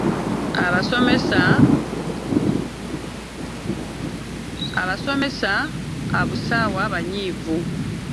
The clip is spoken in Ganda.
Abasoma abusawa banyiivu.